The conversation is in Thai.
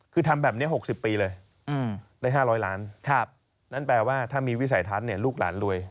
คือทำแบบนี้๖๐ปีเลยได้๕๐๐ล้านนั่นแปลว่าถ้ามีวิสัยทัศน์ลูกหลานรวย